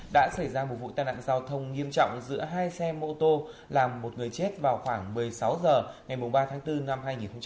đã xảy ra một vụ tai nạn giao thông nghiêm trọng giữa hai xe mô tô làm một người chết vào khoảng một mươi sáu h ngày ba tháng bốn năm hai nghìn hai mươi